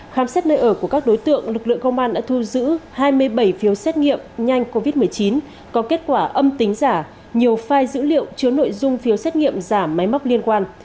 khám xét nơi ở của các đối tượng lực lượng công an đã thu giữ hai mươi bảy phiếu xét nghiệm nhanh covid một mươi chín có kết quả âm tính giả nhiều file dữ liệu chứa nội dung phiếu xét nghiệm giả máy móc liên quan